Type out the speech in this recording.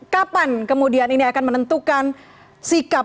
kapan kemudian ini akan menentukan sikap